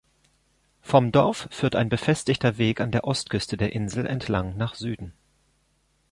Vom Dorf führt ein befestigter Weg an der Ostküste der Insel entlang nach Süden.